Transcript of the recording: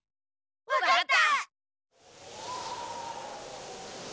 わかった！